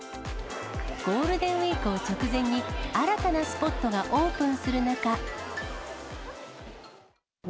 ゴールデンウィークの直前に新たなスポットがオープンする中。